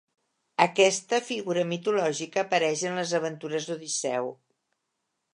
Aquesta figura mitològica apareix en les aventures d'Odisseu.